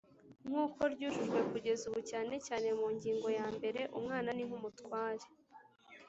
nk uko ryujujwe kugeza ubu cyane cyane mungingo yambere umwana ninkumutware